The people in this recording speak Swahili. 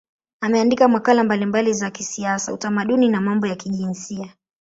Ameandika makala mbalimbali za kisiasa, utamaduni na mambo ya kijinsia.